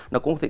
nó cũng có thể